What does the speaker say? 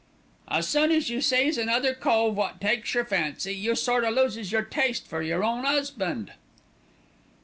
"As soon as you sees another cove wot takes your fancy, you sort o' loses your taste for your own 'usband."